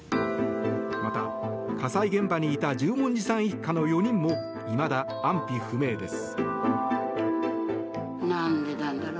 また、火災現場にいた十文字さん一家の４人もいまだ安否不明です。